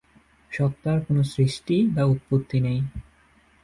সত্তার কোন সৃষ্টি বা উৎপত্তি নেই।